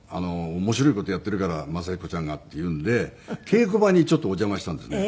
「面白い事やってるから雅彦ちゃんが」って言うんで稽古場にちょっとお邪魔したんですね。